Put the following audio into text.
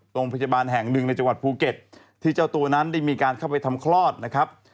โรงพจบาลแห่ง๑ในใจวัตรภูเก็ตที่เจ้าตัวน้ำได้มีการเข้าไปทำคลอดนะครับ